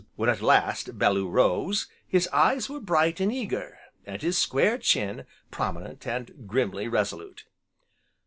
When, at last, Bellew rose, his eyes were bright and eager, and his square chin, prominent, and grimly resolute.